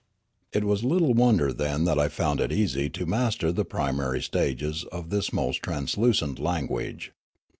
" It was little wonder then that I found it easy to master the primarj^ stages of this most translucent language.